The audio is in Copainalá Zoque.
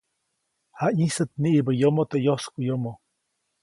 Jayĩsät niʼibä yomoʼ teʼ yoskuʼyomo.